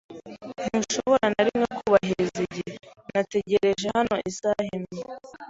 Ntushobora na rimwe kubahiriza igihe? Nategereje hano isaha imwe.